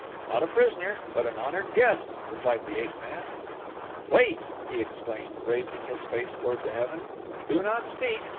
"Not a prisoner but an honored guest," replied the ape man. "Wait," he exclaimed, raising his face toward the heavens; "do not speak.